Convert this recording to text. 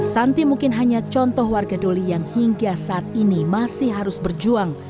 santi mungkin hanya contoh warga doli yang hingga saat ini masih harus berjuang